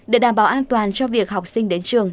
để đảm bảo an toàn cho việc học sinh đến trường